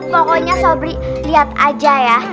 pokoknya sobri lihat aja ya